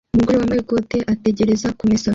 Umugore wambaye ikote ategereza kumesa